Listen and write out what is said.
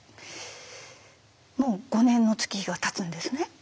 もう５年の月日がたつんですね。